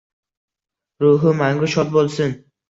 Ruhi mangu shod bo’lsin.